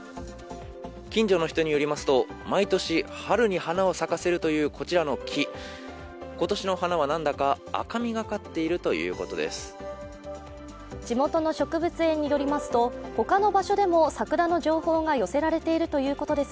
近所の人によりますと毎年、春に花を咲かせるというこちらの木今年の花はなんだか赤みがかっているということです。